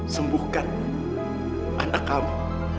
sembuhkan anak kami